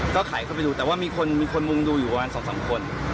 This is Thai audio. ก็ไขเข้าไปดูแต่ว่ามีคนมีคนมุงดูอยู่ประมาณ๒๓คน